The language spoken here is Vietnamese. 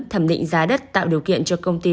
thẩm định giá đất tạo điều kiện cho công ty